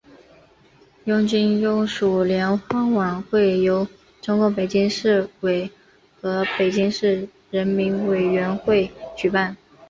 拥军优属联欢晚会由中共北京市委和北京市人民委员会举办。